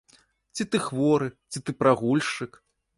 Ці ты хворы, ці ты прагульшчык?